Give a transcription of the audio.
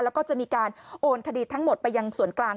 แล้วก็จะมีการโอนคดีทั้งหมดไปยังส่วนกลาง